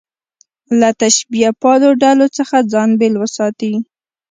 له تشبیه پالو ډلو څخه ځان بېل وساتي.